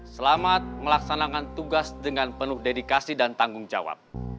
selamat melaksanakan tugas dengan penuh dedikasi dan tanggung jawab